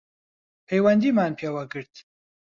پەیوەندیمان پێوە گرت